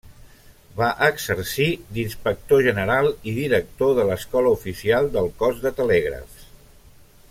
Va exercir d'Inspector general i Director de l'Escola Oficial del Cos de Telègrafs.